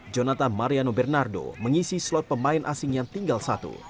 jonathan mariano bernardo mengisi slot pemain asing yang tinggal satu